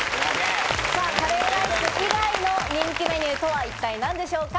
カレーライス以外の人気メニューとは一体何でしょうか。